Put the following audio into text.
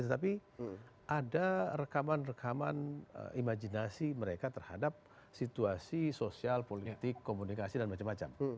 tetapi ada rekaman rekaman imajinasi mereka terhadap situasi sosial politik komunikasi dan macam macam